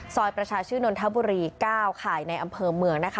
ซอยประชาชื่นนทบุรี๙ข่ายในอำเภอเมืองนะคะ